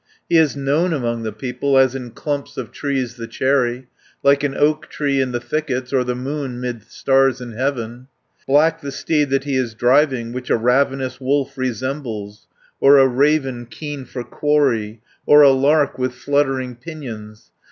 He is known among the people, As in clumps of trees the cherry, Like an oak tree in the thickets, Or the moon, 'mid stars in heaven. 40 "Black the steed that he is driving; Which a ravenous wolf resembles; Or a raven, keen for quarry, Or a lark, with fluttering pinions.